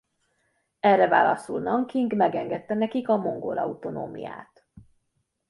Erre válaszul Nanking megengedte nekik a mongol autonómiát.